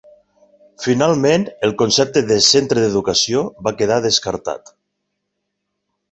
Finalment, el concepte de "Centre d"educació" va quedar descartat.